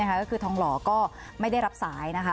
ก็คือทองหล่อก็ไม่ได้รับสายนะคะ